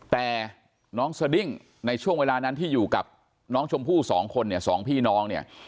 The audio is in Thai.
แต่น้องสดิ้งในช่วงเวลานั้นที่อยู่กับน้องชมพู่สองคนเนี่ยสองพี่น้องเนี่ย